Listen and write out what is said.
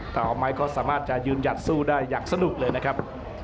ต่อไม้ก็สามารถจะยืนหยัดสู้ได้อย่างสนุกเลยนะครับ